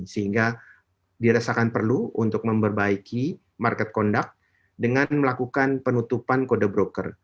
sehingga dirasakan perlu untuk memperbaiki market conduct dengan melakukan penutupan kode broker